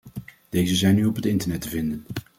Deze zijn nu op het internet te vinden.